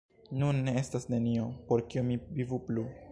Nun estas nenio, por kio mi vivu plu“.